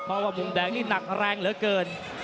เพราะว่ามุมแดงนี่หนักแรงเหลือเกิน